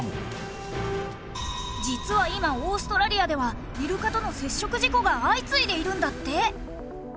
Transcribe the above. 実は今オーストラリアではイルカとの接触事故が相次いでいるんだって。